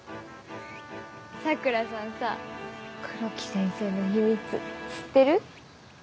佐倉さんさ黒木先生の秘密知ってる？